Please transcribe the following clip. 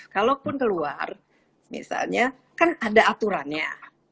kalaupun keluar misalnya kan ada aturannya